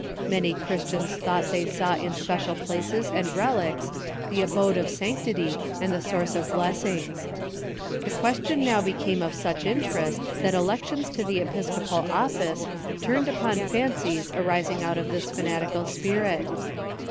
Many Christians thought they saw in special places and relics the abode of sanctity and the source of bless ings. The question now became of such interest that elections to the episcopal office turned upon fancies arising out of this fanatical spirit.